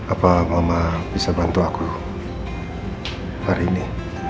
apa mama bisa bantu aku hari ini